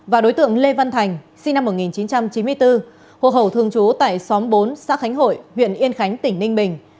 và đối tượng lê văn thành sinh năm một nghìn chín trăm chín mươi bốn hộ khẩu thường trú tại xóm bốn xã khánh hội huyện yên khánh tỉnh ninh bình